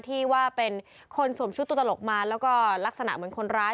ที่ว่าเป็นคนสวมชุดตัวตลกมาแล้วก็ลักษณะเหมือนคนร้าย